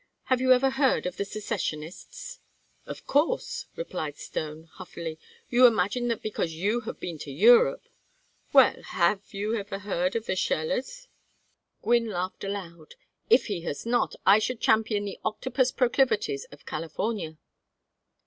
"Have you ever heard of the Secessionists?" "Of course," replied Stone, huffily. "You imagine that because you have been to Europe " "Well, have you ever heard of the Scholles?" Gwynne laughed aloud. "If he has not, I should champion the octopus proclivities of California."